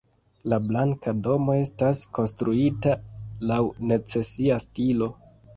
La Blanka Domo estas konstruita laŭ secesia stilo.